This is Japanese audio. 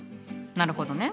なるほどね。